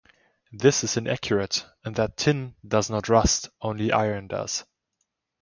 This is inaccurate, in that tin does not rust; only iron does.